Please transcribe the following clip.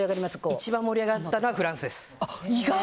一番盛り上がったのはフランスです。